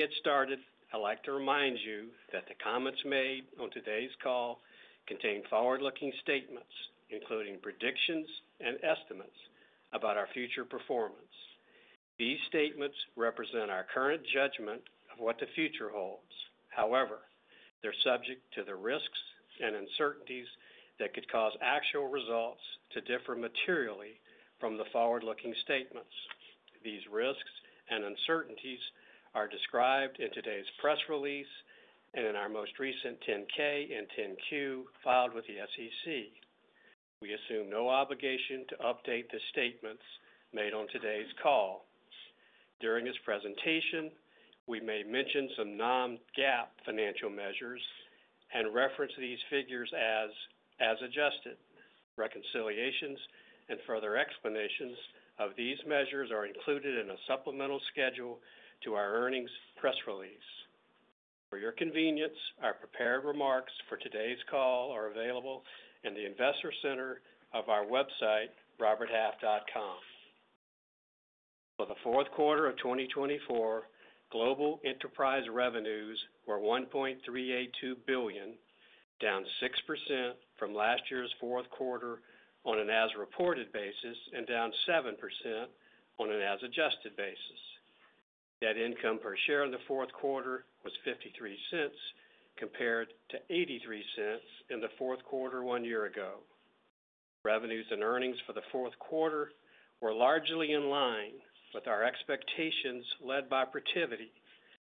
Get started, I'd like to remind you that the comments made on today's call contain forward-looking statements, including predictions and estimates about our future performance. These statements represent our current judgment of what the future holds. However, they're subject to the risks and uncertainties that could cause actual results to differ materially from the forward-looking statements. These risks and uncertainties are described in today's press release and in our most recent 10-K and 10-Q filed with the SEC. We assume no obligation to update the statements made on today's call. During his presentation, we may mention some non-GAAP financial measures and reference these figures as adjusted. Reconciliations and further explanations of these measures are included in a supplemental schedule to our earnings press release. For your convenience, our prepared remarks for today's call are available in the investor center of our website, RobertHalf.com. For the fourth quarter of 2024, global enterprise revenues were $1.382 billion, down 6% from last year's fourth quarter on an as-reported basis and down 7% on an as-adjusted basis. Net income per share in the fourth quarter was $0.53, compared to $0.83 in the fourth quarter one year ago. Revenues and earnings for the fourth quarter were largely in line with our expectations led by Protiviti,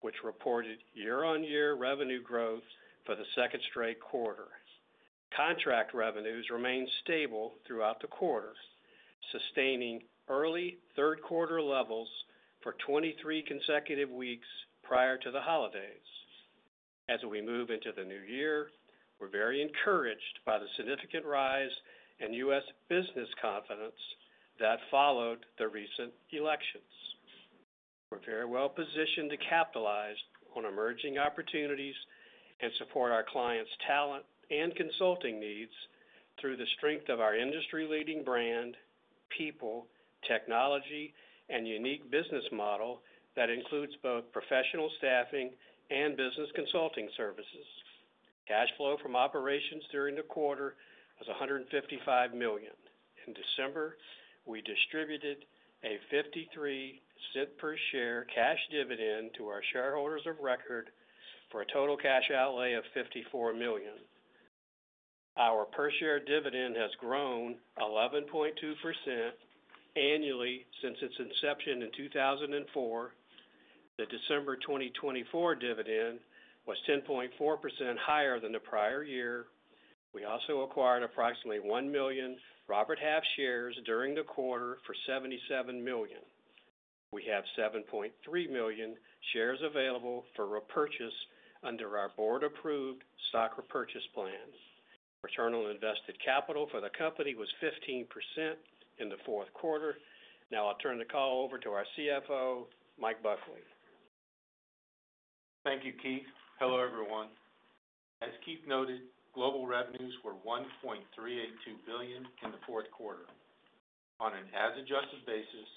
which reported year-on-year revenue growth for the second straight quarter. Contract revenues remained stable throughout the quarter, sustaining early third-quarter levels for 23 consecutive weeks prior to the holidays. As we move into the new year, we're very encouraged by the significant rise in U.S. business confidence that followed the recent elections. We're very well positioned to capitalize on emerging opportunities and support our clients' talent and consulting needs through the strength of our industry-leading brand, people, technology, and unique business model that includes both professional staffing and business consulting services. Cash flow from operations during the quarter was $155 million. In December, we distributed a $0.53 per share cash dividend to our shareholders of record for a total cash outlay of $54 million. Our per-share dividend has grown 11.2% annually since its inception in 2004. The December 2024 dividend was 10.4% higher than the prior year. We also acquired approximately one million Robert Half shares during the quarter for $77 million. We have 7.3 million shares available for repurchase under our board-approved stock repurchase plan. Return on invested capital for the company was 15% in the fourth quarter. Now I'll turn the call over to our CFO, Mike Buckley. Thank you, Keith. Hello, everyone. As Keith noted, global revenues were $1.382 billion in the fourth quarter. On an as-adjusted basis,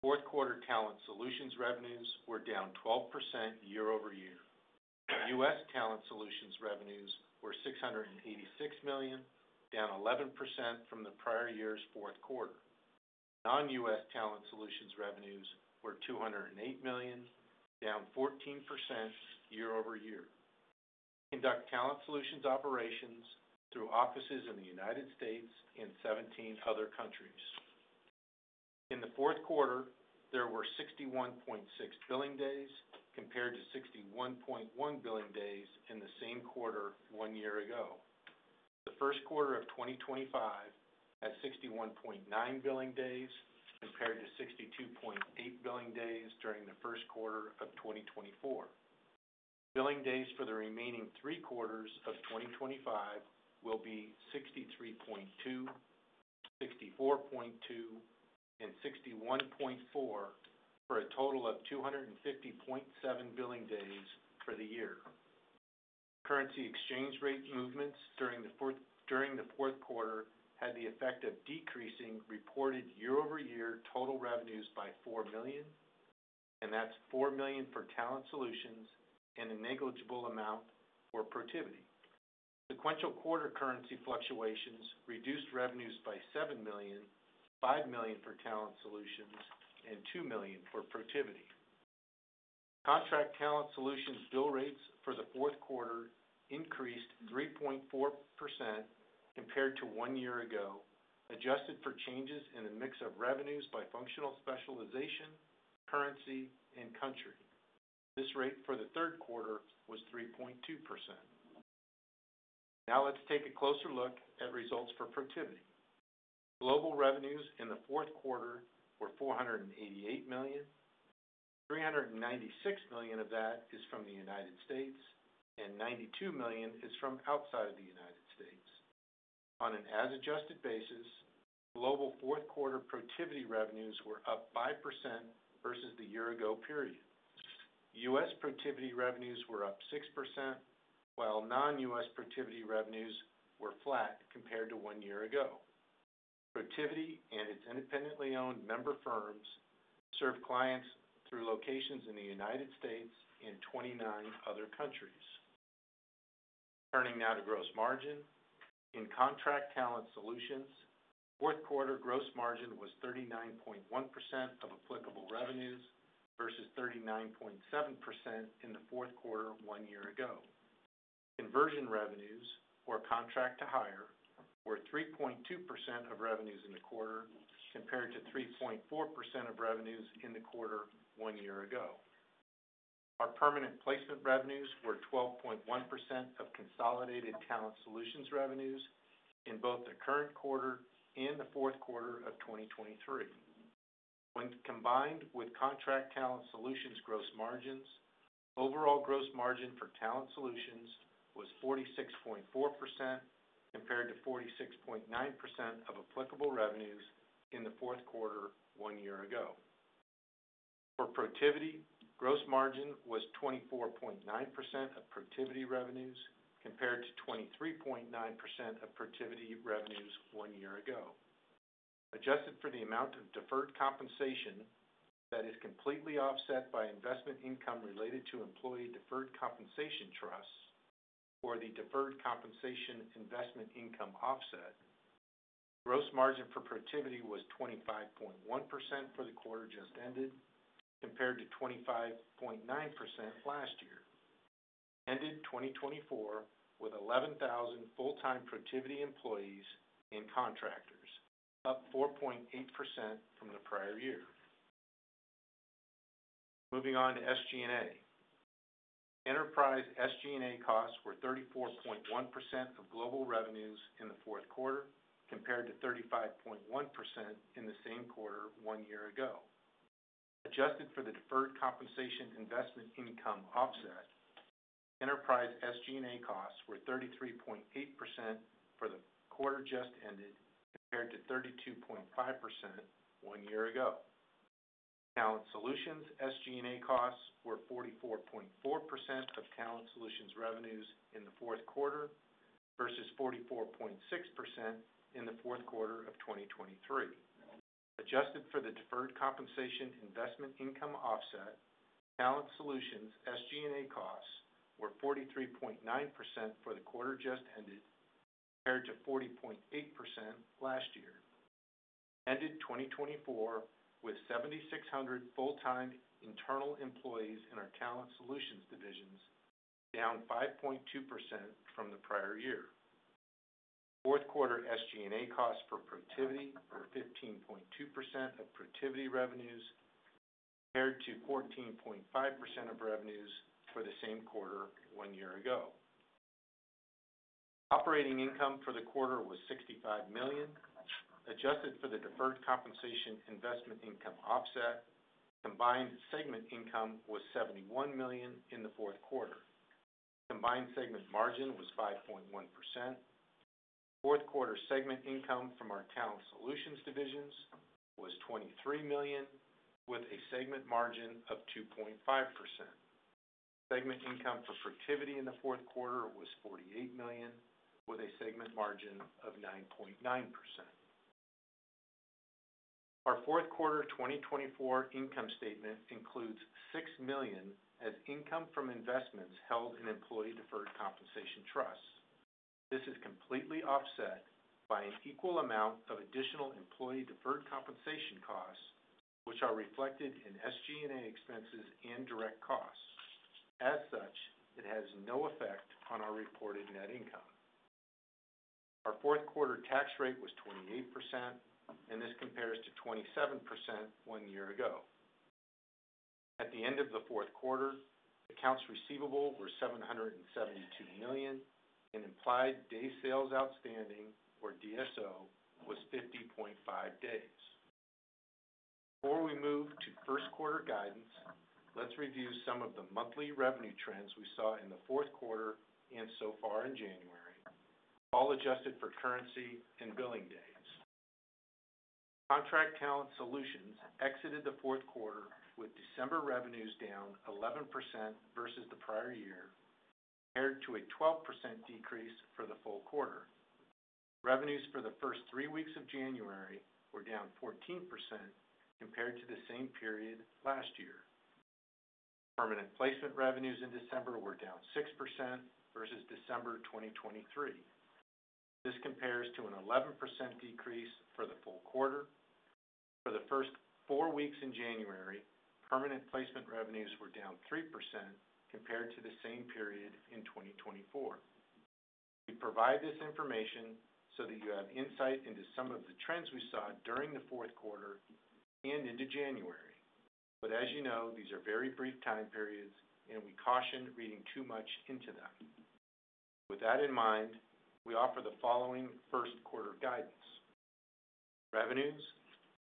fourth-quarter talent solutions revenues were down 12% year-over-year. U.S. talent solutions revenues were $686 million, down 11% from the prior year's fourth quarter. Non-U.S. talent solutions revenues were $208 million, down 14% year-over-year. We conduct talent solutions operations through offices in the United States and 17 other countries. In the fourth quarter, there were 61.6 billing days compared to 61.1 billing days in the same quarter one year ago. The first quarter of 2025 had 61.9 billing days compared to 62.8 billing days during the first quarter of 2024. Billing days for the remaining three quarters of 2025 will be 63.2, 64.2, and 61.4 for a total of 250.7 billing days for the year. Currency exchange rate movements during the fourth quarter had the effect of decreasing reported year-over-year total revenues by $4 million, and that's $4 million for Talent Solutions and a negligible amount for Protiviti. Sequential quarter currency fluctuations reduced revenues by $7 million, $5 million for Talent Solutions, and $2 million for Protiviti. Contract Talent Solutions bill rates for the fourth quarter increased 3.4% compared to one year ago, adjusted for changes in the mix of revenues by functional specialization, currency, and country. This rate for the third quarter was 3.2%. Now let's take a closer look at results for Protiviti. Global revenues in the fourth quarter were $488 million. $396 million of that is from the United States, and $92 million is from outside of the United States. On an as-adjusted basis, global fourth-quarter Protiviti revenues were up 5% versus the year-ago period. U.S. Protiviti revenues were up 6%, while non-U.S. Protiviti revenues were flat compared to one year ago. Protiviti and its independently owned member firms serve clients through locations in the United States and 29 other countries. Turning now to gross margin. In contract talent solutions, fourth quarter gross margin was 39.1% of applicable revenues versus 39.7% in the fourth quarter one year ago. Conversion revenues, or contract-to-hire, were 3.2% of revenues in the quarter compared to 3.4% of revenues in the quarter one year ago. Our permanent placement revenues were 12.1% of consolidated talent solutions revenues in both the current quarter and the fourth quarter of 2023. When combined with contract talent solutions gross margins, overall gross margin for talent solutions was 46.4% compared to 46.9% of applicable revenues in the fourth quarter one year ago. For Protiviti, gross margin was 24.9% of Protiviti revenues compared to 23.9% of Protiviti revenues one year ago. Adjusted for the amount of deferred compensation that is completely offset by investment income related to employee deferred compensation trusts, or the deferred compensation investment income offset, gross margin for Protiviti was 25.1% for the quarter just ended compared to 25.9% last year. Ended 2024 with 11,000 full-time Protiviti employees and contractors, up 4.8% from the prior year. Moving on to SG&A. Enterprise SG&A costs were 34.1% of global revenues in the fourth quarter compared to 35.1% in the same quarter one year ago. Adjusted for the deferred compensation investment income offset, enterprise SG&A costs were 33.8% for the quarter just ended compared to 32.5% one year ago. Talent solutions SG&A costs were 44.4% of talent solutions revenues in the fourth quarter versus 44.6% in the fourth quarter of 2023. Adjusted for the deferred compensation investment income offset, talent solutions SG&A costs were 43.9% for the quarter just ended compared to 40.8% last year. Ended 2024 with 7,600 full-time internal employees in our talent solutions divisions, down 5.2% from the prior year. Fourth-quarter SG&A costs for Protiviti were 15.2% of Protiviti revenues compared to 14.5% of revenues for the same quarter one year ago. Operating income for the quarter was $65 million. Adjusted for the deferred compensation investment income offset, combined segment income was $71 million in the fourth quarter. Combined segment margin was 5.1%. Fourth-quarter segment income from our talent solutions divisions was $23 million, with a segment margin of 2.5%. Segment income for Protiviti in the fourth quarter was $48 million, with a segment margin of 9.9%. Our fourth quarter 2024 income statement includes $6 million as income from investments held in employee deferred compensation trusts. This is completely offset by an equal amount of additional employee deferred compensation costs, which are reflected in SG&A expenses and direct costs. As such, it has no effect on our reported net income. Our fourth-quarter tax rate was 28%, and this compares to 27% one year ago. At the end of the fourth quarter, accounts receivable were $772 million, and implied day sales outstanding, or DSO, was 50.5 days. Before we move to first-quarter guidance, let's review some of the monthly revenue trends we saw in the fourth quarter and so far in January, all adjusted for currency and billing days. Contract Talent Solutions exited the fourth quarter with December revenues down 11% versus the prior year, compared to a 12% decrease for the full quarter. Revenues for the first three weeks of January were down 14% compared to the same period last year. Permanent Placement revenues in December were down 6% versus December 2023. This compares to an 11% decrease for the full quarter. For the first four weeks in January, Permanent Placement revenues were down 3% compared to the same period in 2024. We provide this information so that you have insight into some of the trends we saw during the fourth quarter and into January. But as you know, these are very brief time periods, and we caution reading too much into them. With that in mind, we offer the following first-quarter guidance. Revenues: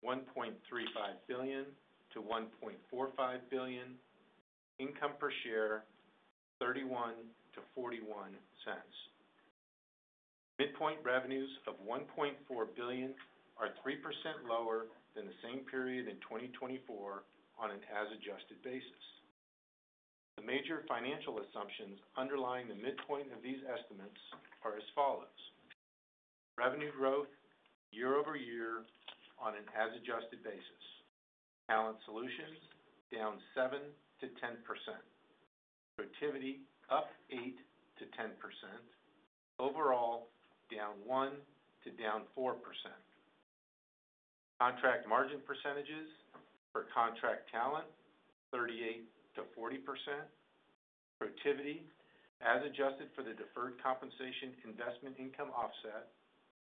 $1.35-$1.45 billion. Income per share: $0.31-$0.41. Midpoint revenues of $1.4 billion are 3% lower than the same period in 2024 on an as-adjusted basis. The major financial assumptions underlying the midpoint of these estimates are as follows. Revenue growth year-over-year on an as-adjusted basis. Talent Solutions: down 7%-10%. Protiviti: up 8%-10%. Overall: down 1% to down 4%. Contract margin percentages for contract talent: 38%-40%. Protiviti: as adjusted for the deferred compensation investment income offset: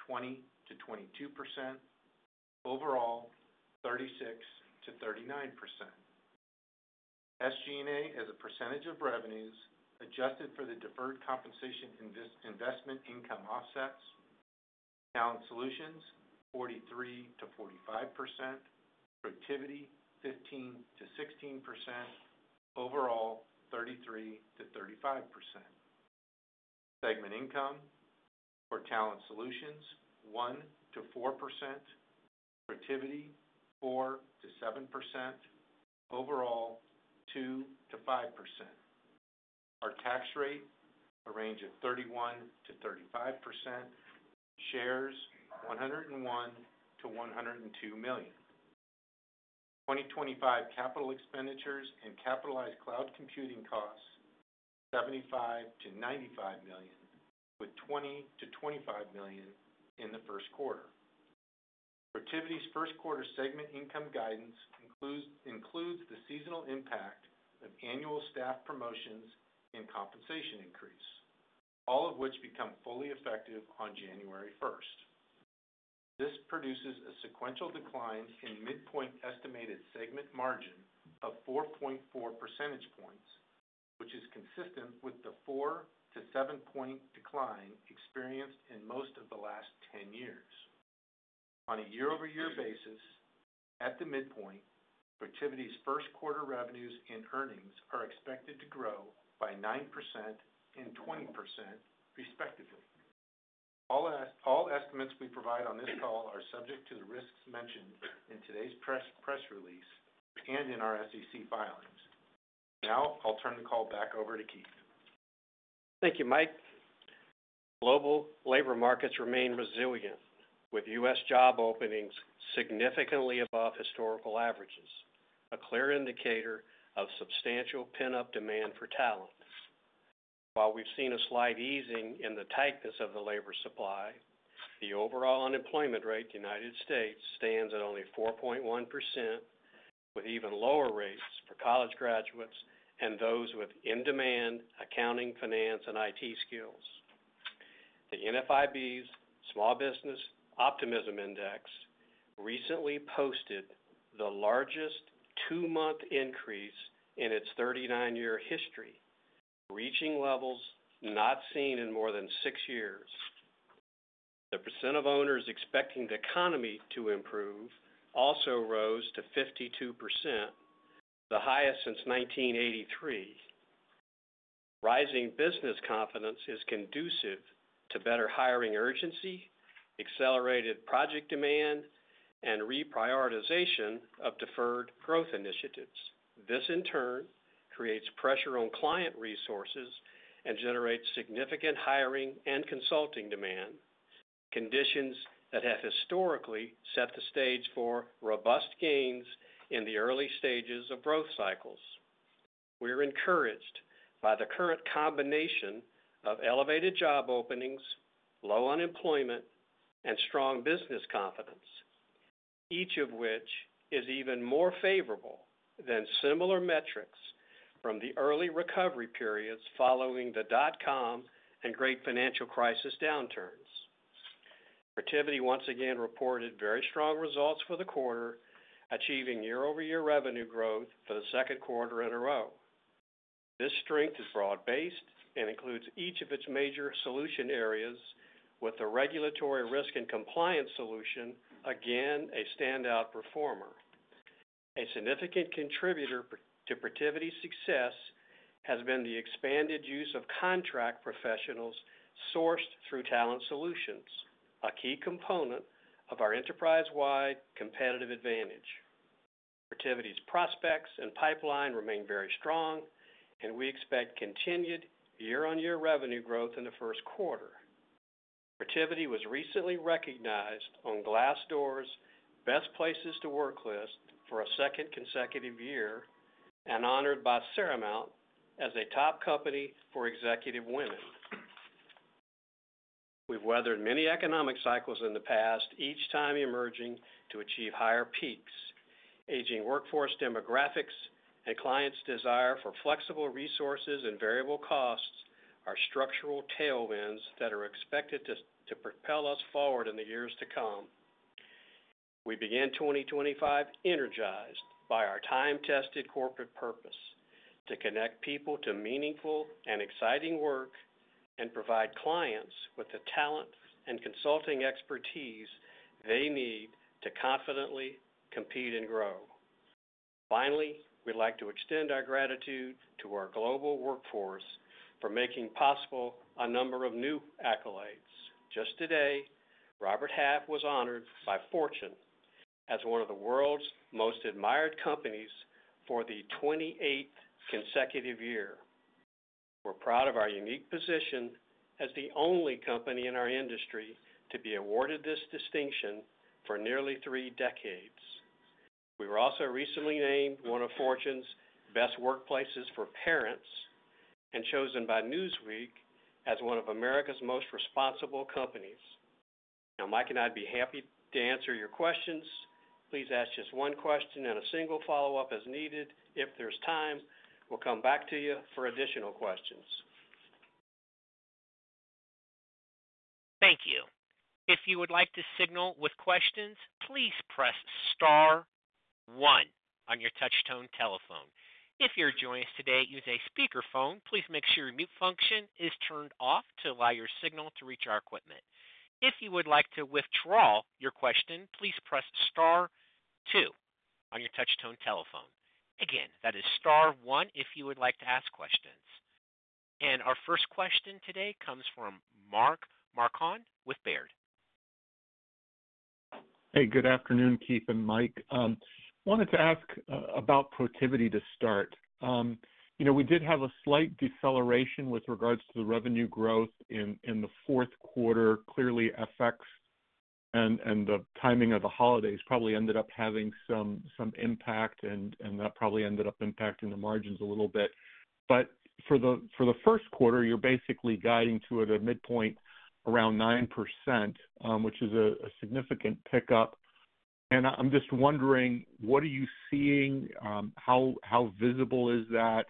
20%-22%. Overall: 36%-39%. SG&A as a percentage of revenues adjusted for the deferred compensation investment income offsets. Talent solutions: 43%-45%. Protiviti: 15%-16%. Overall: 33%-35%. Segment income for talent solutions: 1%-4%. Protiviti: 4%-7%. Overall: 2%-5%. Our tax rate: a range of 31%-35%. Shares: $101 million-$102 million. 2025 capital expenditures and capitalized cloud computing costs: $75 million-$95 million, with $20 million-$25 million in the first quarter. Protiviti's first-quarter segment income guidance includes the seasonal impact of annual staff promotions and compensation increase, all of which become fully effective on January 1st. This produces a sequential decline in midpoint estimated segment margin of 4.4 percentage points, which is consistent with the 4% to 7% decline experienced in most of the last 10 years. On a year-over-year basis, at the midpoint, Protiviti's first-quarter revenues and earnings are expected to grow by 9% and 20%, respectively. All estimates we provide on this call are subject to the risks mentioned in today's press release and in our SEC filings. Now I'll turn the call back over to Keith. Thank you, Mike. Global labor markets remain resilient, with U.S. job openings significantly above historical averages, a clear indicator of substantial pick-up demand for talent. While we've seen a slight easing in the tightness of the labor supply, the overall unemployment rate in the United States stands at only 4.1%, with even lower rates for college graduates and those with in-demand accounting, finance, and IT skills. The NFIB's Small Business Optimism Index recently posted the largest two-month increase in its 39-year history, reaching levels not seen in more than six years. The percent of owners expecting the economy to improve also rose to 52%, the highest since 1983. Rising business confidence is conducive to better hiring urgency, accelerated project demand, and reprioritization of deferred growth initiatives. This, in turn, creates pressure on client resources and generates significant hiring and consulting demand, conditions that have historically set the stage for robust gains in the early stages of growth cycles. We are encouraged by the current combination of elevated job openings, low unemployment, and strong business confidence, each of which is even more favorable than similar metrics from the early recovery periods following the dot-com and great financial crisis downturns. Protiviti once again reported very strong results for the quarter, achieving year-over-year revenue growth for the second quarter in a row. This strength is broad-based and includes each of its major solution areas, with the regulatory risk and compliance solution again a standout performer. A significant contributor to Protiviti's success has been the expanded use of contract professionals sourced through talent solutions, a key component of our enterprise-wide competitive advantage. Protiviti's prospects and pipeline remain very strong, and we expect continued year-on-year revenue growth in the first quarter. Protiviti was recently recognized on Glassdoor's Best Places to Work list for a second consecutive year and honored by Seramount as a top company for executive women. We've weathered many economic cycles in the past, each time emerging to achieve higher peaks. Aging workforce demographics and clients' desire for flexible resources and variable costs are structural tailwinds that are expected to propel us forward in the years to come. We begin 2025 energized by our time-tested corporate purpose to connect people to meaningful and exciting work and provide clients with the talent and consulting expertise they need to confidently compete and grow. Finally, we'd like to extend our gratitude to our global workforce for making possible a number of new accolades. Just today, Robert Half was honored by Fortune as one of the world's most admired companies for the 28th consecutive year. We're proud of our unique position as the only company in our industry to be awarded this distinction for nearly three decades. We were also recently named one of Fortune's best workplaces for parents and chosen by Newsweek as one of America's most responsible companies. Now, Mike and I would be happy to answer your questions. Please ask just one question and a single follow-up as needed. If there's time, we'll come back to you for additional questions. Thank you. If you would like to signal with questions, please press Star 1 on your touchtone telephone. If you're joining us today using a speakerphone, please make sure your mute function is turned off to allow your signal to reach our equipment. If you would like to withdraw your question, please press Star 2 on your touchtone telephone. Again, that is Star 1 if you would like to ask questions, and our first question today comes from Mark Marcon with Baird. Hey, good afternoon, Keith and Mike. I wanted to ask about Protiviti to start. We did have a slight deceleration with regards to the revenue growth in the fourth quarter. Clearly, effects and the timing of the holidays probably ended up having some impact, and that probably ended up impacting the margins a little bit. But for the first quarter, you're basically guiding to a midpoint around 9%, which is a significant pickup. And I'm just wondering, what are you seeing? How visible is that?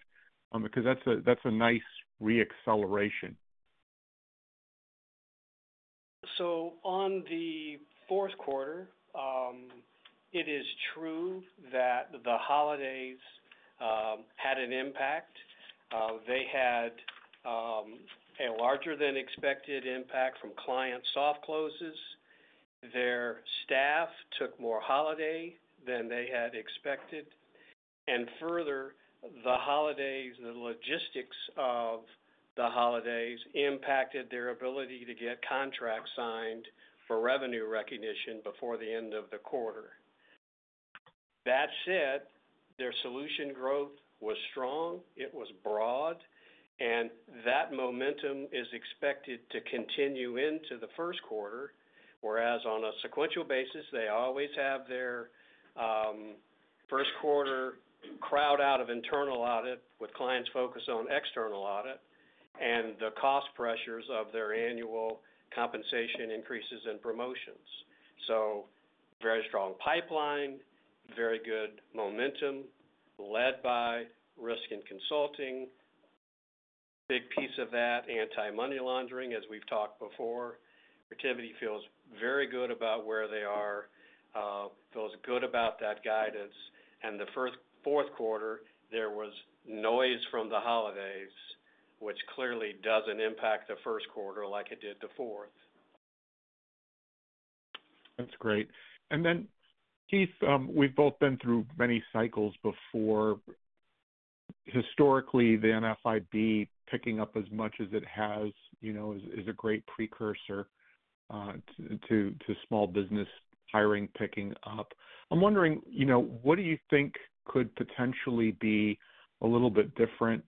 Because that's a nice re-acceleration. So on the fourth quarter, it is true that the holidays had an impact. They had a larger-than-expected impact from client soft closes. Their staff took more holiday than they had expected. And further, the holidays, the logistics of the holidays, impacted their ability to get contracts signed for revenue recognition before the end of the quarter. That said, their solution growth was strong. It was broad, and that momentum is expected to continue into the first quarter, whereas on a sequential basis, they always have their first quarter crowd out of internal audit with clients' focus on external audit and the cost pressures of their annual compensation increases and promotions. So very strong pipeline, very good momentum led by risk and consulting. Big piece of that, anti-money laundering, as we've talked before. Protiviti feels very good about where they are, feels good about that guidance. And the fourth quarter, there was noise from the holidays, which clearly doesn't impact the first quarter like it did the fourth. That's great. And then, Keith, we've both been through many cycles before. Historically, the NFIB picking up as much as it has is a great precursor to small business hiring picking up. I'm wondering, what do you think could potentially be a little bit different?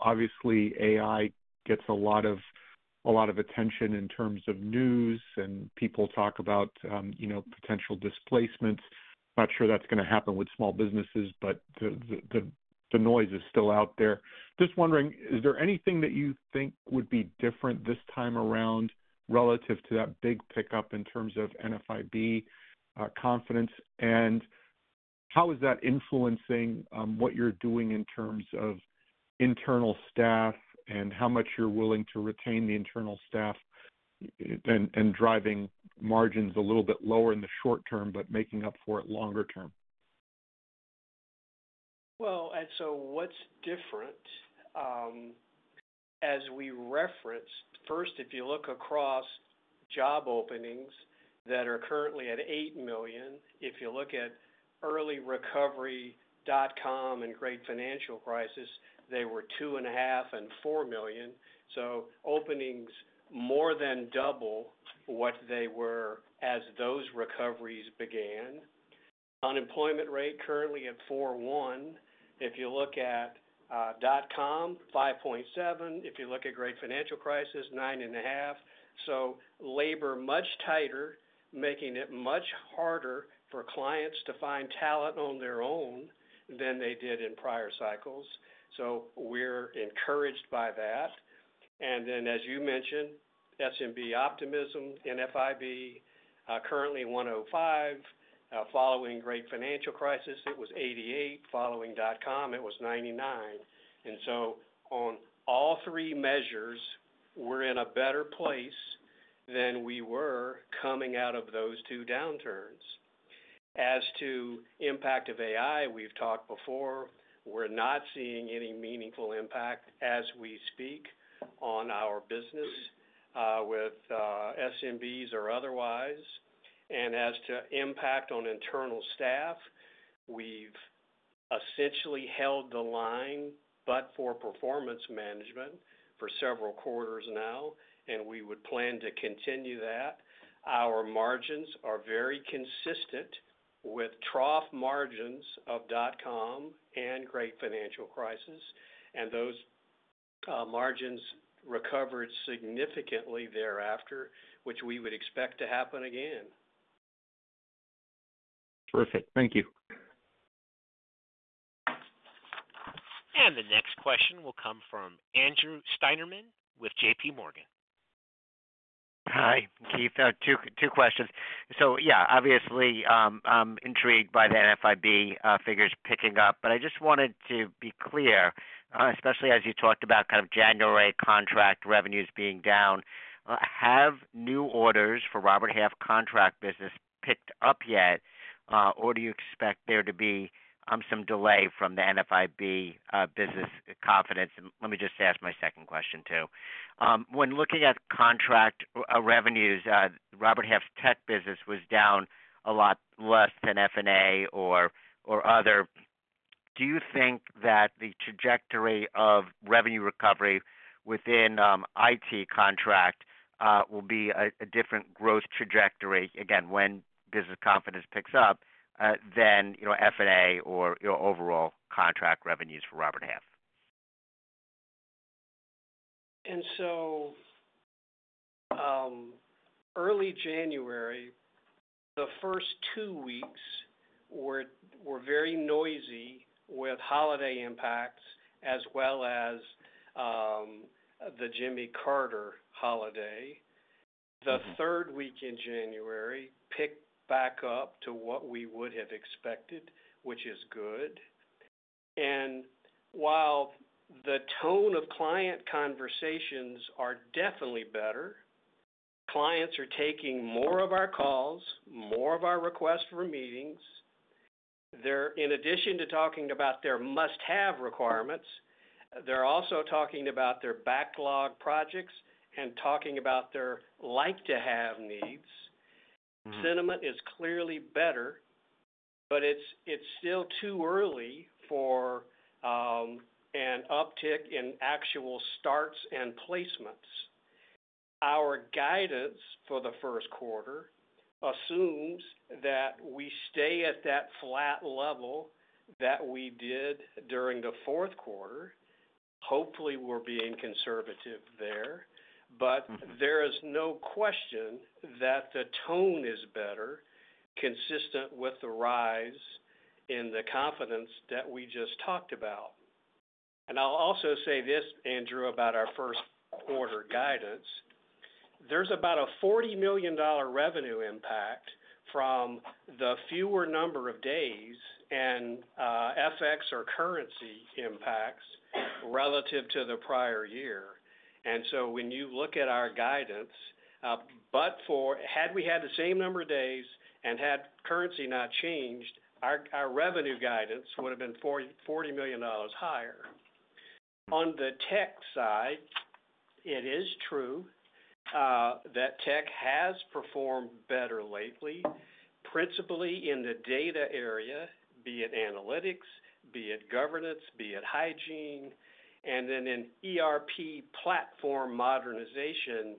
Obviously, AI gets a lot of attention in terms of news, and people talk about potential displacement. Not sure that's going to happen with small businesses, but the noise is still out there. Just wondering, is there anything that you think would be different this time around relative to that big pickup in terms of NFIB confidence? And how is that influencing what you're doing in terms of internal staff and how much you're willing to retain the internal staff and driving margins a little bit lower in the short term but making up for it longer term? And so what's different? As we referenced, first, if you look across job openings that are currently at 8 million, if you look at early recovery, dot-com, and great financial crisis, they were 2.5 and 4 million. So openings more than double what they were as those recoveries began. Unemployment rate currently at 4.1. If you look at dot-com, 5.7. If you look at great financial crisis, 9.5, so labor much tighter, making it much harder for clients to find talent on their own than they did in prior cycles, so we're encouraged by that, and then, as you mentioned, SMB optimism, NFIB currently 105, following great financial crisis, it was 88, following dot-com, it was 99, and so on all three measures, we're in a better place than we were coming out of those two downturns. As to impact of AI, we've talked before. We're not seeing any meaningful impact as we speak on our business with SMBs or otherwise, and as to impact on internal staff, we've essentially held the line but for performance management for several quarters now, and we would plan to continue that. Our margins are very consistent with trough margins of dot-com and great financial crisis, and those margins recovered significantly thereafter, which we would expect to happen again. Terrific. Thank you. The next question will come from Andrew Steinerman with J.P. Morgan. Hi, Keith. Two questions. So yeah, obviously, I'm intrigued by the NFIB figures picking up, but I just wanted to be clear, especially as you talked about kind of January contract revenues being down. Have new orders for Robert Half contract business picked up yet, or do you expect there to be some delay from the NFIB business confidence? Let me just ask my second question too. When looking at contract revenues, Robert Half's tech business was down a lot less than F&A or other. Do you think that the trajectory of revenue recovery within IT contract will be a different growth trajectory, again, when business confidence picks up, than F&A or overall contract revenues for Robert Half? And so early January, the first two weeks were very noisy with holiday impacts as well as the Jimmy Carter holiday. The third week in January picked back up to what we would have expected, which is good. And while the tone of client conversations are definitely better, clients are taking more of our calls, more of our requests for meetings. In addition to talking about their must-have requirements, they're also talking about their backlog projects and talking about their like-to-have needs. Sentiment is clearly better, but it's still too early for an uptick in actual starts and placements. Our guidance for the first quarter assumes that we stay at that flat level that we did during the fourth quarter. Hopefully, we're being conservative there. But there is no question that the tone is better, consistent with the rise in the confidence that we just talked about. And I'll also say this, Andrew, about our first quarter guidance. There's about a $40 million revenue impact from the fewer number of days and FX or currency impacts relative to the prior year. And so when you look at our guidance, but had we had the same number of days and had currency not changed, our revenue guidance would have been $40 million higher. On the tech side, it is true that tech has performed better lately, principally in the data area, be it analytics, be it governance, be it hygiene, and then in ERP platform modernization,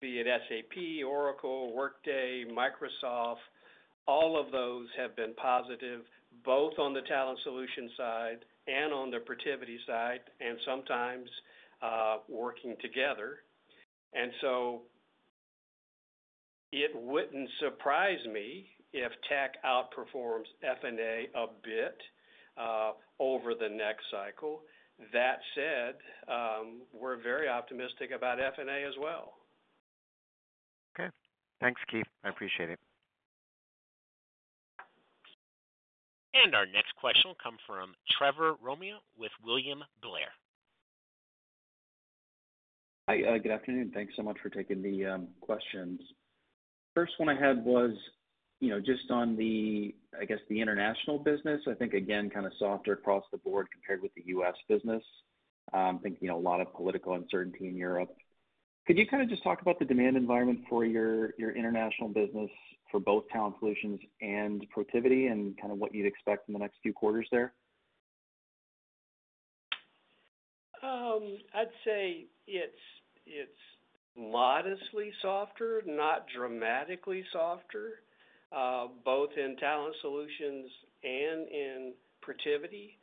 be it SAP, Oracle, Workday, Microsoft. All of those have been positive, both on the talent solution side and on the Protiviti side, and sometimes working together. And so it wouldn't surprise me if tech outperforms F&A a bit over the next cycle. That said, we're very optimistic about F&A as well. Okay. Thanks, Keith. I appreciate it. And our next question will come from Trevor Romeo with William Blair. Hi. Good afternoon. Thanks so much for taking the questions. First one I had was just on the, I guess, the international business. I think, again, kind of softer across the board compared with the U.S. business. I think a lot of political uncertainty in Europe. Could you kind of just talk about the demand environment for your international business for both talent solutions and Protiviti and kind of what you'd expect in the next few quarters there? I'd say it's modestly softer, not dramatically softer, both in talent solutions and in Protiviti.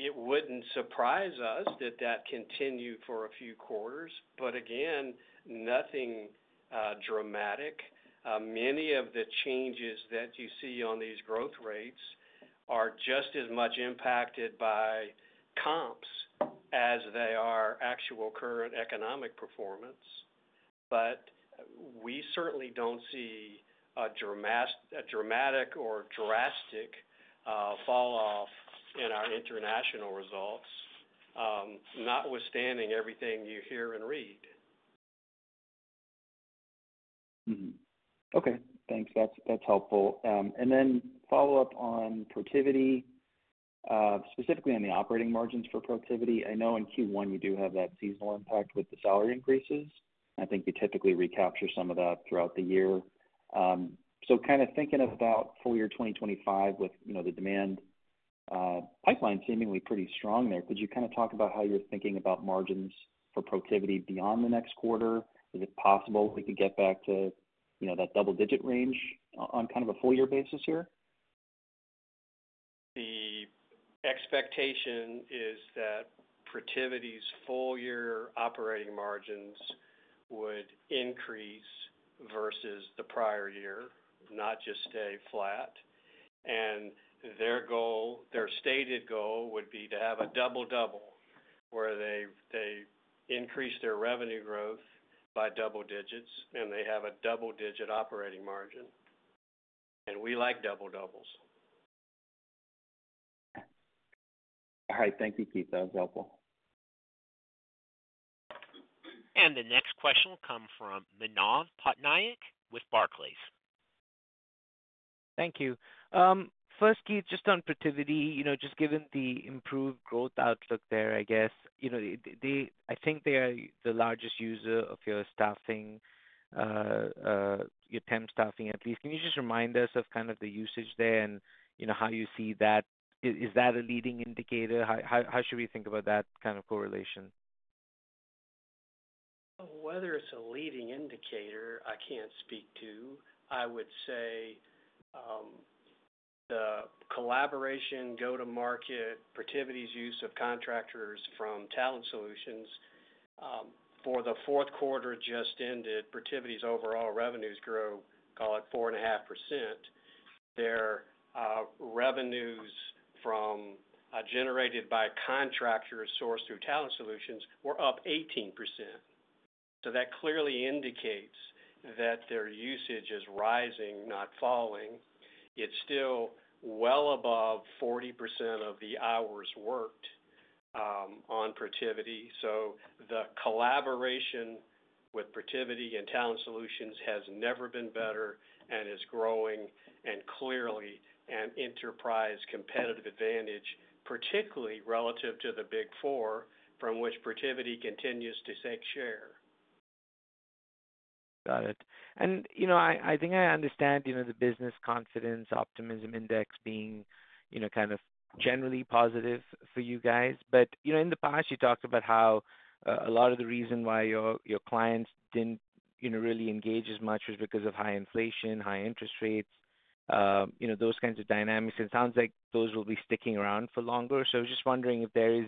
It wouldn't surprise us that that continued for a few quarters. But again, nothing dramatic. Many of the changes that you see on these growth rates are just as much impacted by comps as they are actual current economic performance. But we certainly don't see a dramatic or drastic falloff in our international results, notwithstanding everything you hear and read. Okay. Thanks. That's helpful. And then follow-up on Protiviti, specifically on the operating margins for Protiviti. I know in Q1 you do have that seasonal impact with the salary increases. I think you typically recapture some of that throughout the year. So kind of thinking about full year 2025 with the demand pipeline seemingly pretty strong there, could you kind of talk about how you're thinking about margins for Protiviti beyond the next quarter? Is it possible we could get back to that double-digit range on kind of a full year basis here? The expectation is that Protiviti's full year operating margins would increase versus the prior year, not just stay flat. And their stated goal would be to have a double-double where they increase their revenue growth by double digits and they have a double-digit operating margin. And we like double-doubles. All right. Thank you, Keith. That was helpful. And the next question will come from Manav Patnaik with Barclays. Thank you. First, Keith, just on Protiviti, just given the improved growth outlook there, I guess, I think they are the largest user of your staffing, your temp staffing at least. Can you just remind us of kind of the usage there and how you see that? Is that a leading indicator? How should we think about that kind of correlation? Whether it's a leading indicator, I can't speak to. I would say the collaboration, go-to-market, Protiviti's use of contractors from Talent Solutions. For the fourth quarter just ended, Protiviti's overall revenues grew, call it 4.5%. Their revenues generated by contractors sourced through Talent Solutions were up 18%. So that clearly indicates that their usage is rising, not falling. It's still well above 40% of the hours worked on Protiviti. So the collaboration with Protiviti and Talent Solutions has never been better and is growing and clearly an enterprise competitive advantage, particularly relative to the Big Four from which Protiviti continues to take share. Got it. And I think I understand the business confidence optimism index being kind of generally positive for you guys. But in the past, you talked about how a lot of the reason why your clients didn't really engage as much was because of high inflation, high interest rates, those kinds of dynamics. It sounds like those will be sticking around for longer. So I was just wondering if there is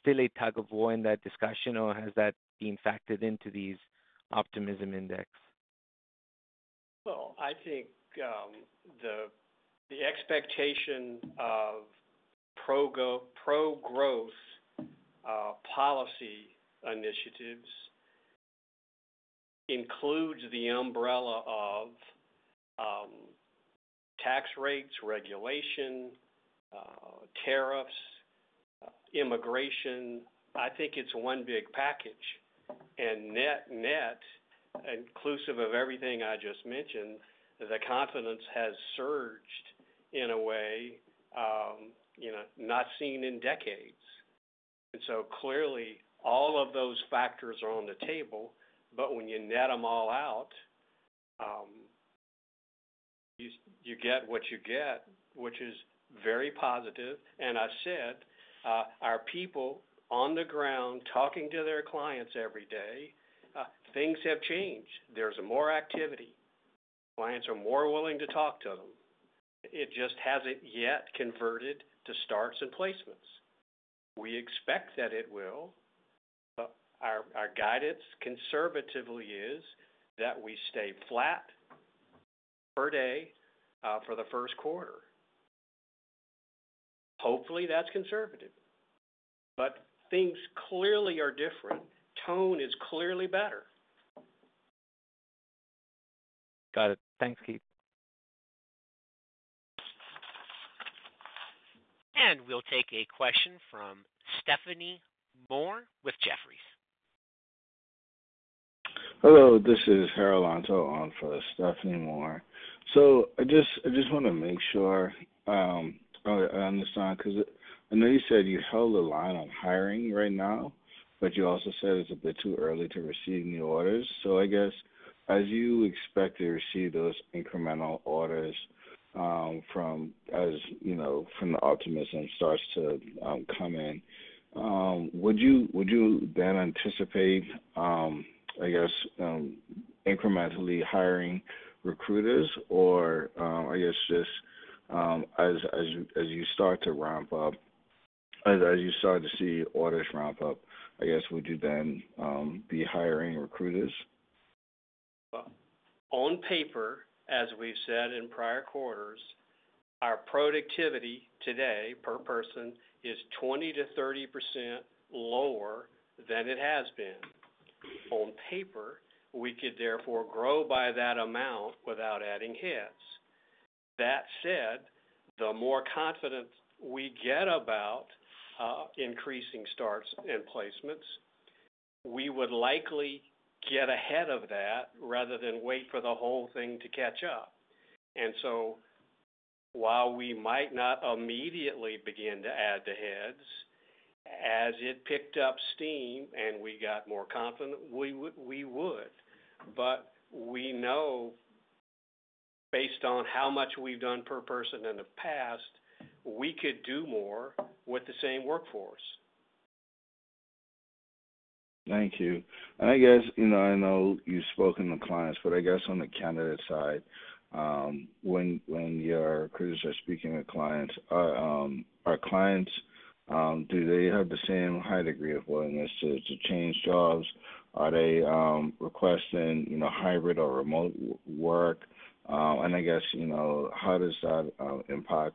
still a tug of war in that discussion or has that been factored into these optimism index? Well, I think the expectation of pro-growth policy initiatives includes the umbrella of tax rates, regulation, tariffs, immigration. I think it's one big package. And net, inclusive of everything I just mentioned, the confidence has surged in a way not seen in decades. And so clearly, all of those factors are on the table, but when you net them all out, you get what you get, which is very positive. And I said, our people on the ground talking to their clients every day, things have changed. There's more activity. Clients are more willing to talk to them. It just hasn't yet converted to starts and placements. We expect that it will. Our guidance conservatively is that we stay flat per day for the first quarter. Hopefully, that's conservative. But things clearly are different. Tone is clearly better. Got it. Thanks, Keith. And we'll take a question from Stephanie Moore with Jefferies. Hello. This is Harold Antor on for Stephanie Moore. I just want to make sure I understand because I know you said you held the line on hiring right now, but you also said it's a bit too early to receive new orders. So I guess, as you expect to receive those incremental orders from the optimism starts to come in, would you then anticipate, I guess, incrementally hiring recruiters? Or I guess just as you start to ramp up, as you start to see orders ramp up, I guess, would you then be hiring recruiters? On paper, as we've said in prior quarters, our productivity today per person is 20%-30% lower than it has been. On paper, we could therefore grow by that amount without adding heads. That said, the more confidence we get about increasing starts and placements, we would likely get ahead of that rather than wait for the whole thing to catch up. And so while we might not immediately begin to add the heads, as it picked up steam and we got more confident, we would. But we know, based on how much we've done per person in the past, we could do more with the same workforce. Thank you. And I guess I know you've spoken to clients, but I guess on the candidate side, when your recruiters are speaking with candidates, do they have the same high degree of willingness to change jobs? Are they requesting hybrid or remote work? And I guess, how does that impact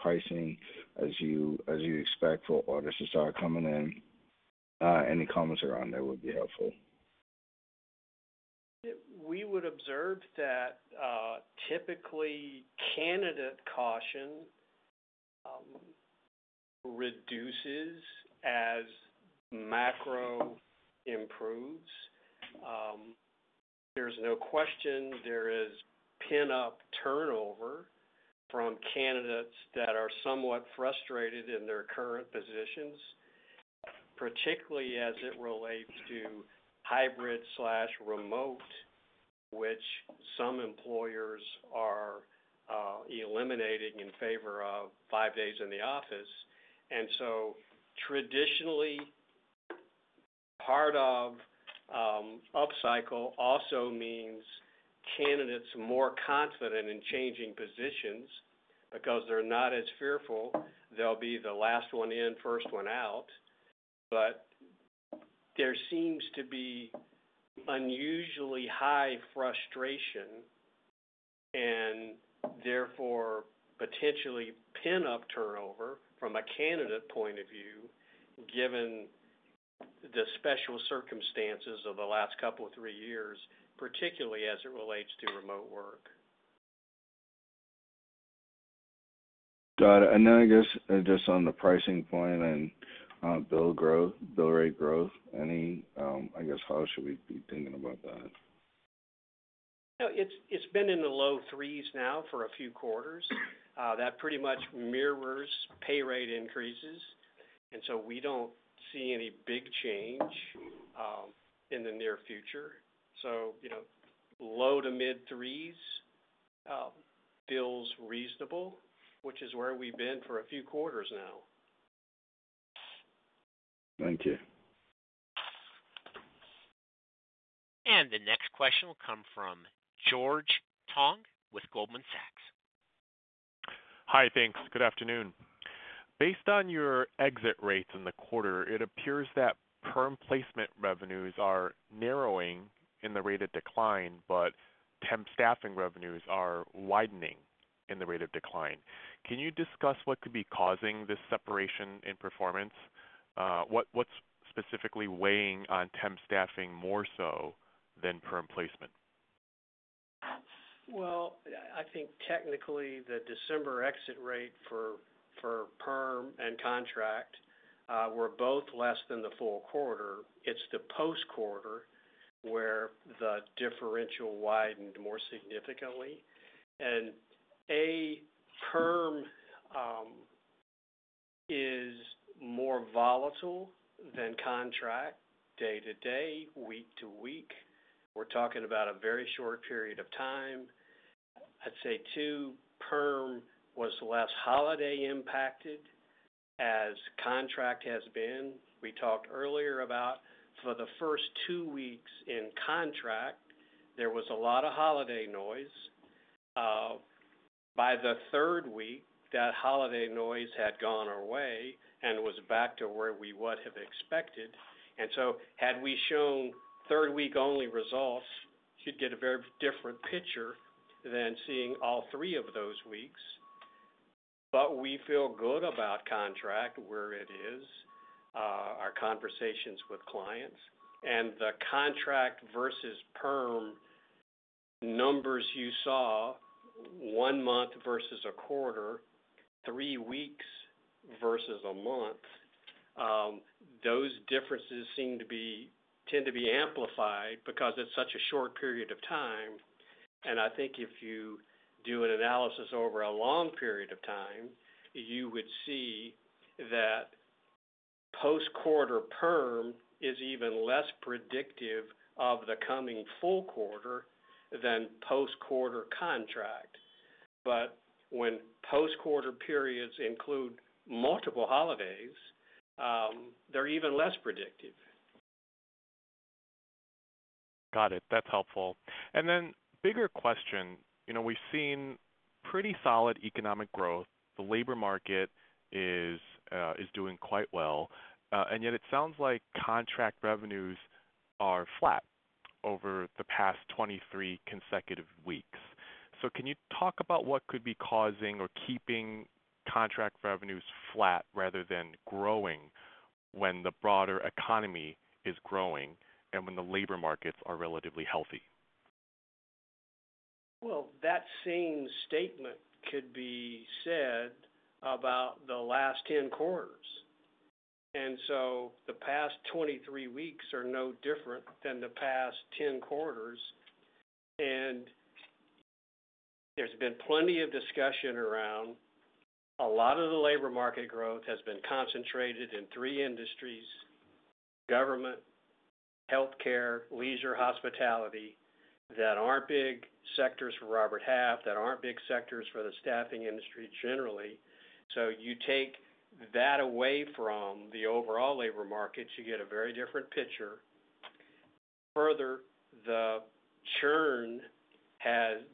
pricing as you expect for orders to start coming in? Any comments around there would be helpful. We would observe that typically candidate caution reduces as macro improves. There's no question there is pent-up turnover from candidates that are somewhat frustrated in their current positions, particularly as it relates to hybrid/remote, which some employers are eliminating in favor of five days in the office. And so traditionally, part of upcycle also means candidates are more confident in changing positions because they're not as fearful they'll be the last one in, first one out. But there seems to be unusually high frustration and therefore potentially pent-up turnover from a candidate point of view, given the special circumstances of the last couple of three years, particularly as it relates to remote work. Got it. And then I guess just on the pricing point and bill rate growth, I guess, how should we be thinking about that? It's been in the low threes now for a few quarters. That pretty much mirrors pay rate increases, and so we don't see any big change in the near future, so low to mid-threes, bill's reasonable, which is where we've been for a few quarters now. Thank you, and the next question will come from George Tong with Goldman Sachs. Hi, thanks. Good afternoon. Based on your exit rates in the quarter, it appears that perm placement revenues are narrowing in the rate of decline, but temp staffing revenues are widening in the rate of decline. Can you discuss what could be causing this separation in performance? What's specifically weighing on temp staffing more so than perm placement? Well, I think technically the December exit rate for perm and contract were both less than the full quarter. It's the post-quarter where the differential widened more significantly. And A, perm is more volatile than contract. Day-to-day, week-to-week. We're talking about a very short period of time. I'd say to perm was less holiday impacted as contract has been. We talked earlier about, for the first two weeks in contract, there was a lot of holiday noise. By the third week, that holiday noise had gone away and was back to where we would have expected, and so had we shown third-week-only results, you'd get a very different picture than seeing all three of those weeks, but we feel good about contract where it is, our conversations with clients, and the contract versus perm numbers you saw, one month versus a quarter, three weeks versus a month, those differences tend to be amplified because it's such a short period of time. And I think if you do an analysis over a long period of time, you would see that post-quarter perm is even less predictive of the coming full quarter than post-quarter contract. But when post-quarter periods include multiple holidays, they're even less predictive. Got it. That's helpful. And then, bigger question. We've seen pretty solid economic growth. The labor market is doing quite well. And yet it sounds like contract revenues are flat over the past 23 consecutive weeks. So can you talk about what could be causing or keeping contract revenues flat rather than growing when the broader economy is growing and when the labor markets are relatively healthy? Well, that same statement could be said about the last 10 quarters. And so the past 23 weeks are no different than the past 10 quarters. And there's been plenty of discussion around a lot of the labor market growth has been concentrated in three industries: government, healthcare, leisure, hospitality. That aren't big sectors for Robert Half. That aren't big sectors for the staffing industry generally. So you take that away from the overall labor markets, you get a very different picture. Further, the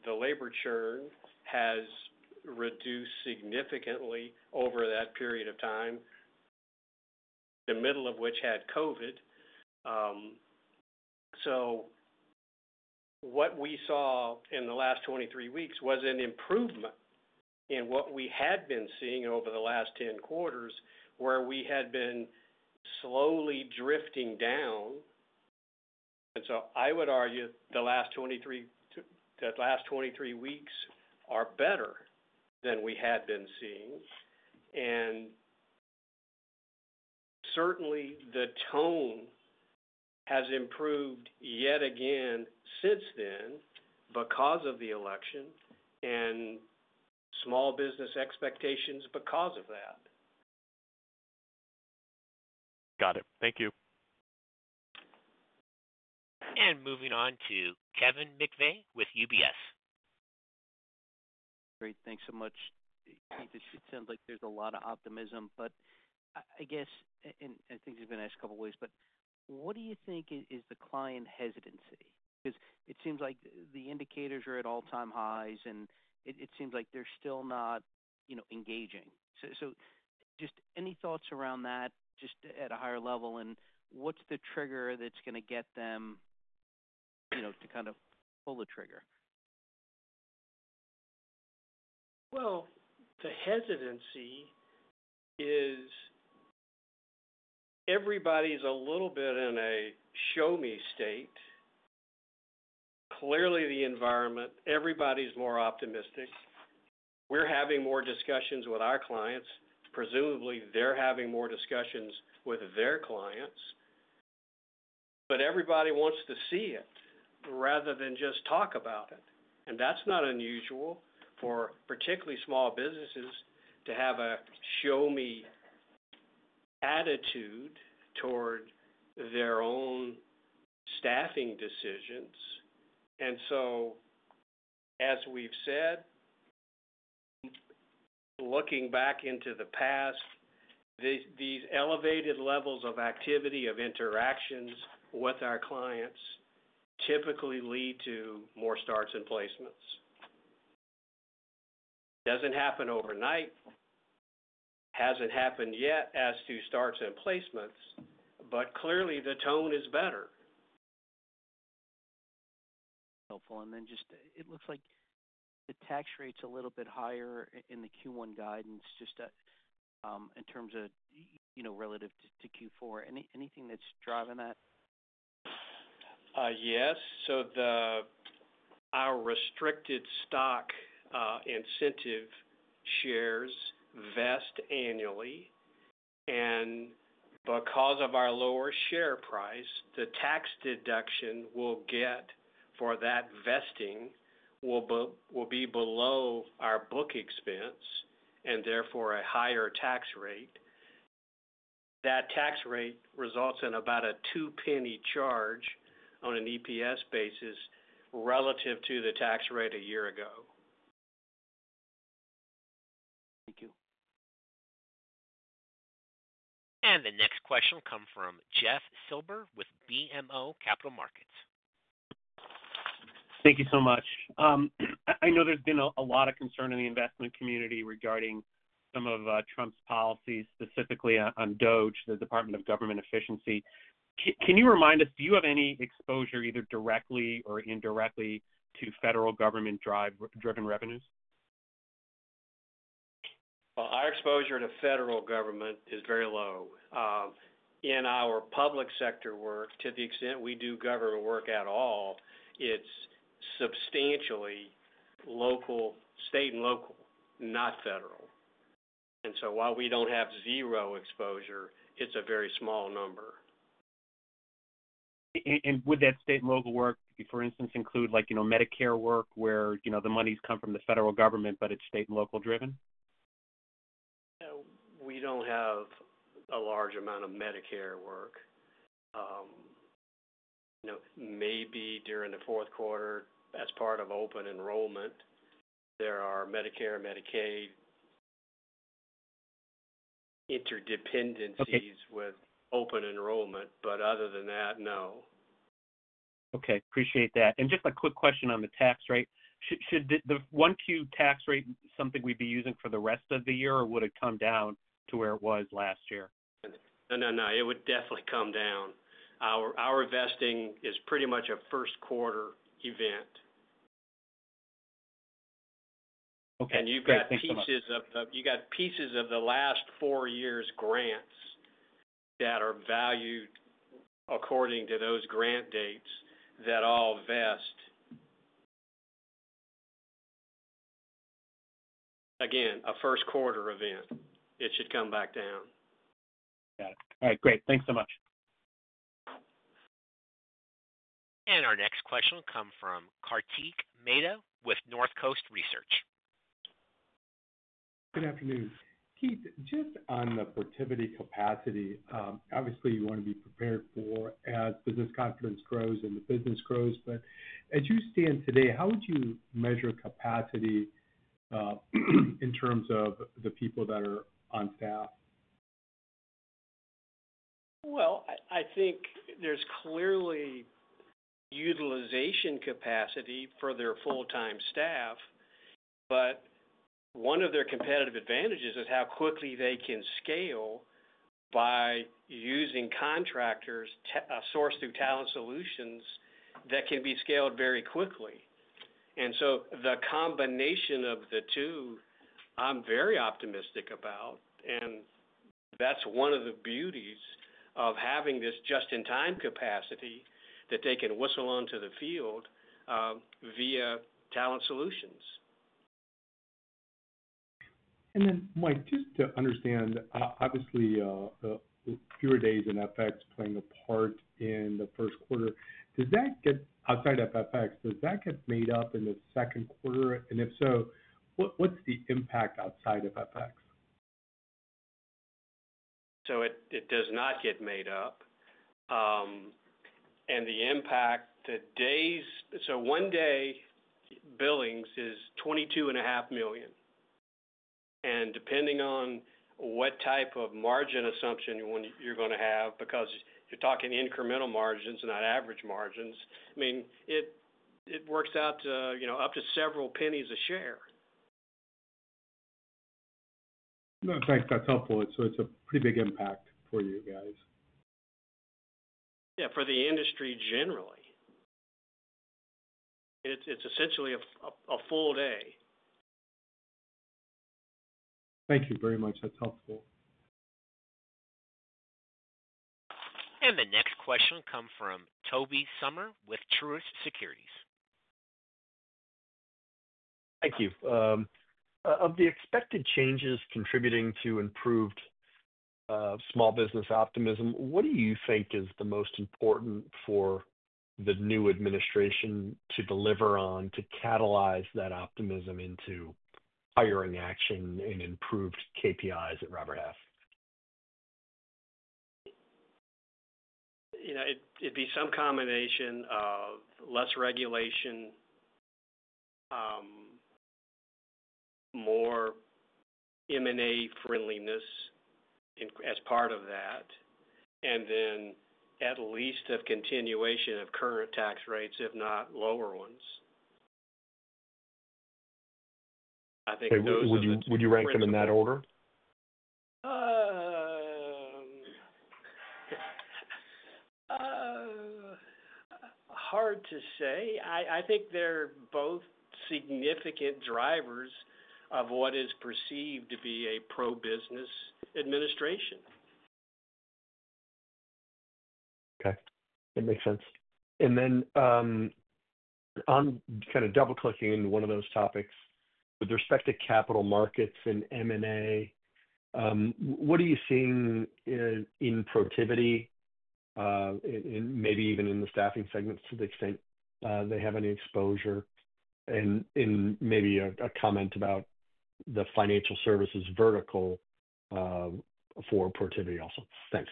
labor churn has reduced significantly over that period of time, the middle of which had COVID. So what we saw in the last 23 weeks was an improvement in what we had been seeing over the last 10 quarters, where we had been slowly drifting down. And so I would argue the last 23 weeks are better than we had been seeing. And certainly, the tone has improved yet again since then because of the election and small business expectations because of that. Got it. Thank you. And moving on to Kevin McVey with UBS. Great. Thanks so much. Keith, it sounds like there's a lot of optimism, but I guess, and I think you've been asked a couple of ways, but what do you think is the client hesitancy? Because it seems like the indicators are at all-time highs and it seems like they're still not engaging. So just any thoughts around that just at a higher level? And what's the trigger that's going to get them to kind of pull the trigger? Well, the hesitancy is everybody's a little bit in a show-me state. Clearly, the environment, everybody's more optimistic. We're having more discussions with our clients. Presumably, they're having more discussions with their clients. But everybody wants to see it rather than just talk about it. And that's not unusual for particularly small businesses to have a show-me attitude toward their own staffing decisions. And so, as we've said, looking back into the past, these elevated levels of activity of interactions with our clients typically lead to more starts and placements. Doesn't happen overnight. Hasn't happened yet as to starts and placements, but clearly, the tone is better. Helpful. And then just it looks like the tax rate's a little bit higher in the Q1 guidance just in terms of relative to Q4. Anything that's driving that? Yes. So our restricted stock incentive shares vest annually. And because of our lower share price, the tax deduction we'll get for that vesting will be below our book expense and therefore a higher tax rate. That tax rate results in about a $0.02 charge on an EPS basis relative to the tax rate a year ago. Thank you. And the next question will come from Jeff Silber with BMO Capital Markets. Thank you so much. I know there's been a lot of concern in the investment community regarding some of Trump's policies, specifically on DOGE, the Department of Government Efficiency. Can you remind us, do you have any exposure either directly or indirectly to federal government-driven revenues? Well, our exposure to federal government is very low. In our public sector work, to the extent we do government work at all, it's substantially state and local, not federal. And so while we don't have zero exposure, it's a very small number. And would that state and local work, for instance, include Medicare work where the monies come from the federal government, but it's state and local-driven? We don't have a large amount of Medicare work. Maybe during the fourth quarter, as part of open enrollment, there are Medicare and Medicaid interdependencies with open enrollment. But other than that, no. Okay. Appreciate that. And just a quick question on the tax rate. Should the 10-Q tax rate be something we'd be using for the rest of the year, or would it come down to where it was last year? No, no, no. It would definitely come down. Our vesting is pretty much a first-quarter event. And you've got pieces of the last four years' grants that are valued according to those grant dates that all vest. Again, a first-quarter event. It should come back down. Got it. All right. Great. Thanks so much. And our next question will come from Karthik Mehta with North Coast Research. Good afternoon. Keith, just on the Protiviti capacity, obviously, you want to be prepared for as business confidence grows and the business grows. But as you stand today, how would you measure capacity in terms of the people that are on staff? I think there's clearly utilization capacity for their full-time staff. One of their competitive advantages is how quickly they can scale by using contractors sourced through Talent Solutions that can be scaled very quickly. The combination of the two, I'm very optimistic about. That's one of the beauties of having this just-in-time capacity that they can whistle onto the field via Talent Solutions. Mike, just to understand, obviously, fewer days in FX playing a part in the first quarter. Outside of FX, does that get made up in the second quarter? And if so, what's the impact outside of FX? It does not get made up. The impact, one day billings is $22.5 million. And depending on what type of margin assumption you're going to have, because you're talking incremental margins and not average margins, I mean, it works out to up to several pennies a share. No, thanks. That's helpful. So it's a pretty big impact for you guys. Yeah, for the industry generally. It's essentially a full day. Thank you very much. That's helpful. And the next question will come from Toby Summer with Truist Securities. Thank you. Of the expected changes contributing to improved small business optimism, what do you think is the most important for the new administration to deliver on to catalyze that optimism into hiring action and improved KPIs at Robert Half? It'd be some combination of less regulation, more M&A friendliness as part of that, and then at least a continuation of current tax rates, if not lower ones. I think those are the. Would you rank them in that order? Hard to say. I think they're both significant drivers of what is perceived to be a pro-business administration. Okay. That makes sense. And then I'm kind of double-clicking into one of those topics. With respect to capital markets and M&A, what are you seeing in Protiviti, and maybe even in the staffing segments to the extent they have any exposure? And maybe a comment about the financial services vertical for Protiviti also. Thanks.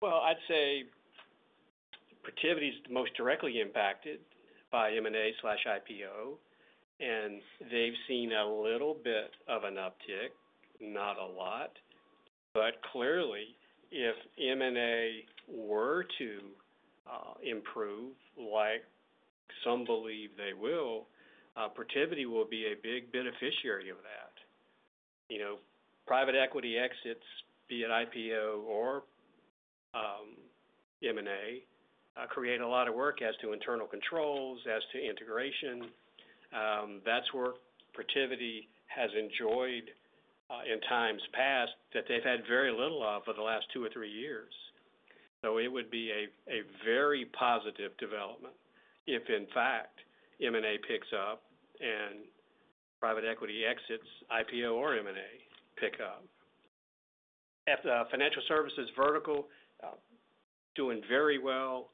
Well, I'd say Protiviti is the most directly impacted by M&A/IPO. And they've seen a little bit of an uptick, not a lot. But clearly, if M&A were to improve, like some believe they will, Protiviti will be a big beneficiary of that. Private equity exits, be it IPO or M&A, create a lot of work as to internal controls, as to integration. That's where Protiviti has enjoyed in times past that they've had very little of for the last two or three years. So it would be a very positive development if, in fact, M&A picks up and private equity exits, IPO or M&A, pick up. Financial services vertical is doing very well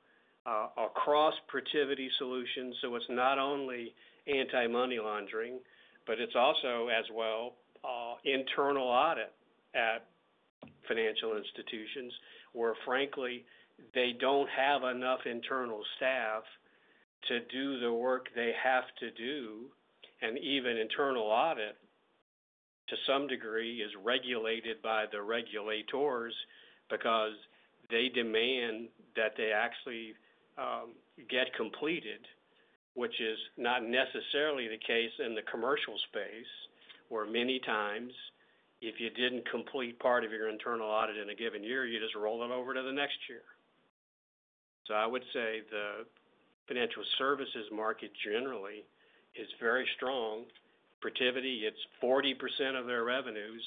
across Protiviti solutions. So it's not only anti-money laundering, but it's also as well internal audit at financial institutions where, frankly, they don't have enough internal staff to do the work they have to do. And even internal audit, to some degree, is regulated by the regulators because they demand that they actually get completed, which is not necessarily the case in the commercial space, where many times, if you didn't complete part of your internal audit in a given year, you just roll it over to the next year. So I would say the financial services market generally is very strong. Protiviti, it's 40% of their revenues.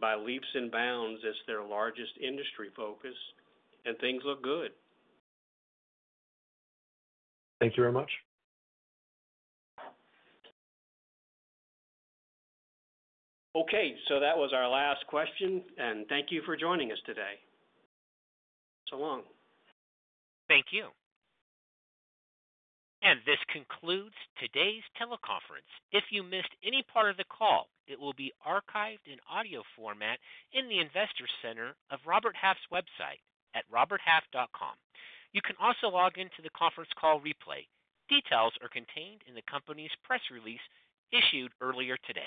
By leaps and bounds, it's their largest industry focus. And things look good. Thank you very much. Okay. So that was our last question. And thank you for joining us today. Thanks so long. Thank you. And this concludes today's teleconference. If you missed any part of the call, it will be archived in audio format in the investor center of Robert Half's website at roberthalf.com. You can also log into the conference call replay. Details are contained in the company's press release issued earlier today.